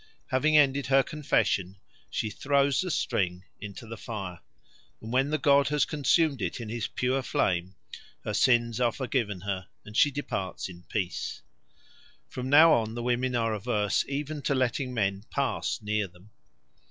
Having ended her confession, she throws the string into the fire, and when the god has consumed it in his pure flame, her sins are forgiven her and she departs in peace. From now on the women are averse even to letting men pass near them.